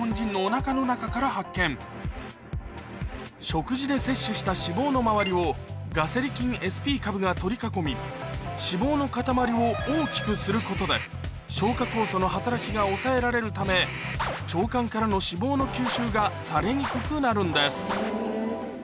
食事で摂取した脂肪の周りをガセリ菌ＳＰ株が取り囲み脂肪の塊を大きくすることで消化酵素の働きが抑えられるため腸管からの脂肪の吸収がされにくくなるんです